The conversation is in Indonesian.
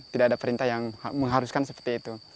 tidak ada perintah yang mengharuskan seperti itu